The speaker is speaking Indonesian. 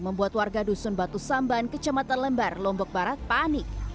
membuat warga dusun batu samban kecamatan lembar lombok barat panik